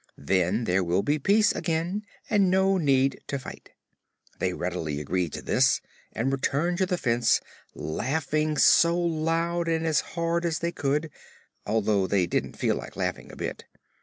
Then there will be peace again and no need to fight." They readily agreed to this and returned to the fence laughing as loud and as hard as they could, although they didn't feel like laughing a bit.